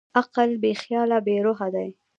عقل بېخیاله بېروحه دی.